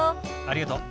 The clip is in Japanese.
ありがとう。